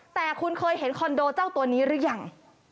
แต่คุณเคยเห็นคอนโดเจ้าตัวนี้หรือยัง